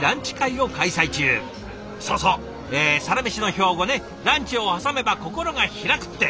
そうそう「サラメシ」の標語ね「ランチを挟めば心が開く」って！